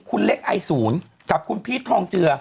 คุณเล็กไอศูนย์กับคุณพีชทองเจือ